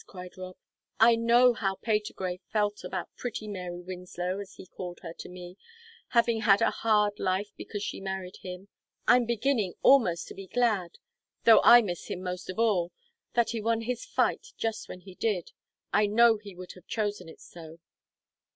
cried Rob. "I know how Patergrey felt about 'pretty Mary Winslow,' as he called her to me, having had a hard life because she married him. I'm beginning almost to be glad though I miss him most of us all that he won his fight just as he did; I know he would have chosen it so."